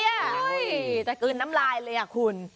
เฮ้ยจะกลืนน้ำลายเลยอ่ะคุณ